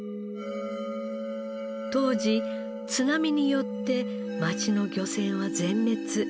当時津波によって町の漁船は全滅。